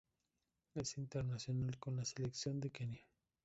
Es internacional con la selección de Kenia.